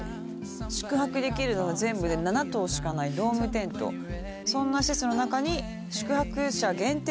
宿泊できるのは全部で７棟しかないドームテントそんな施設の中に宿泊者限定